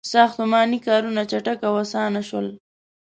• ساختماني کارونه چټک او آسان شول.